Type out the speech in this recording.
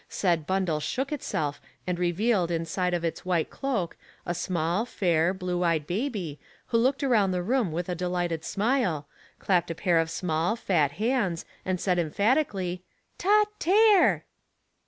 Said bundle shook itself and revealed inside of its white cloak, a small, fair, blue eyed baby, who looked around the room with a delighted smile, clapped a pair of small, fat hands, and said, emphatically, —" Ta, Tare